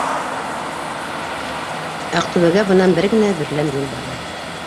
Аҡтүбәгә бынан бер генә берләм юл бара